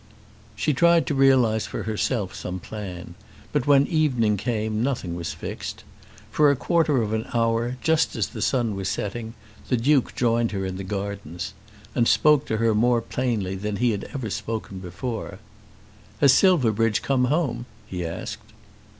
She tried to realise for herself some plan, but when the evening came nothing was fixed. For a quarter of an hour, just as the sun was setting, the Duke joined her in the gardens, and spoke to her more plainly than he had ever spoken before. "Has Silverbridge come home?" he asked.